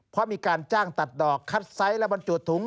เพราะมีการจ้างตัดดอกคัดไซส์และบรรจุถุง